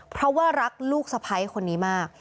เพราะว่ารักลูกสะพ้ายคนนี้มาก